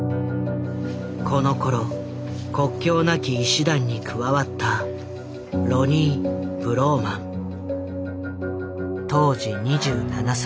このころ国境なき医師団に加わった当時２７歳。